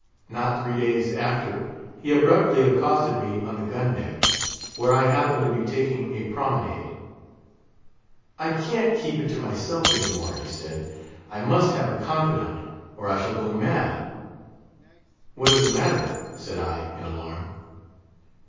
Not three days after, he abruptly accosted me on the gun deck, where I happened to be taking a promenade. "I can't keep it to myself any more," he said; "I must have a confidant, or I shall go mad!" "What is the matter?" said I, in alarm.